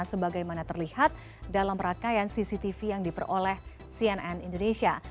sebagaimana terlihat dalam rangkaian cctv yang diperoleh cnn indonesia